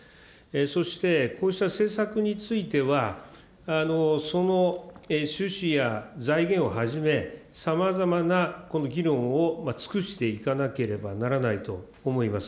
そしてこうした政策については、その趣旨や財源をはじめ、さまざまな議論を尽くしていかなければならないと思います。